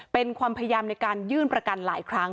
เป็นความพยายามในการยื่นประกันหลายครั้ง